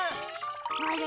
あれ？